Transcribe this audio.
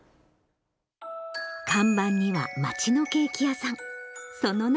看板にはまちのケーキ屋さん。